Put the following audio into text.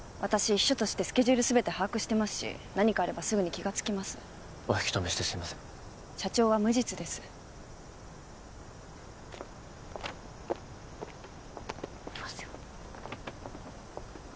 秘書としてスケジュール全て把握してますし何かあればすぐに気がつきますお引き止めしてすいません社長は無実です行きますよ